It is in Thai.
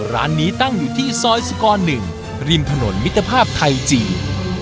ร้านนี้ตั้งอยู่ที่ซอยสุกร๑ริมถนนมิตรภาพไทยจีน